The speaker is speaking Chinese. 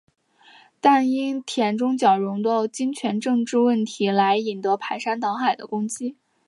但也因田中角荣的金权政治问题来引来排山倒海的攻击。